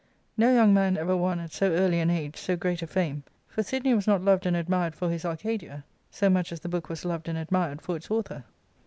No young man ever won at so early an age so great a fame ; for Sidney was not loved and admired for his "Arcadia" so much as the book w^s loved_apd a(jmired for its author.